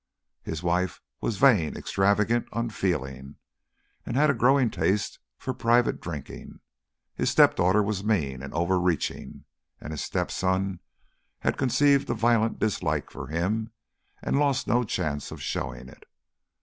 His wife was vain, extravagant, unfeeling, and had a growing taste for private drinking; his step daughter was mean and over reaching; and his step son had conceived a violent dislike for him, and lost no chance of showing it.